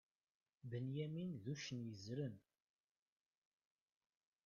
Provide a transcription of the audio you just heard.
Binyamin, d uccen i yezzren.